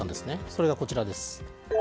それが、こちらです。